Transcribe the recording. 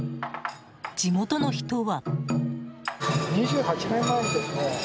地元の人は。